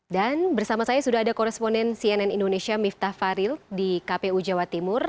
dan bersama saya sudah ada koresponen cnn indonesia miftah faril di kpu jawa timur